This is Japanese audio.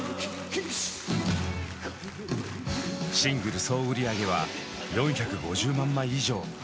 シングル総売上は４５０万枚以上。